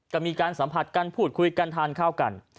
ก็มีการสัมผัสกันพูดคุยกันทานข้าวกัน